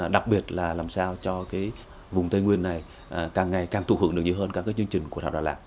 đặc biệt là làm sao cho vùng tây nguyên này càng ngày càng tụ hưởng được nhiều hơn các chương trình của đảo đà lạt